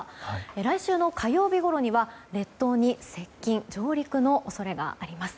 来週の火曜日ごろには列島に接近・上陸の恐れがあります。